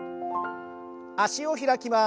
脚を開きます。